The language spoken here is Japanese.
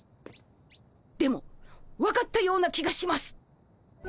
でも分かったような気がします。